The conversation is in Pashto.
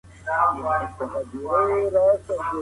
نوې څېړنه د پخوانیو معلوماتو په نسبت تازه حقایق لري.